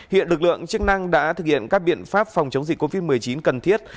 hiện lực lượng chức năng đã thực hiện các biện pháp phòng chống dịch covid một mươi chín cần thiết